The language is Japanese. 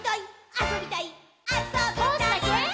「あそびたいっ！！」